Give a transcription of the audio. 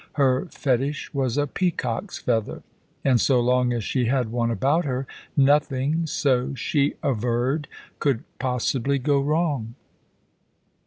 Her fetish was a peacock's feather, and so long as she had one about her, nothing, so she averred, could possibly go wrong.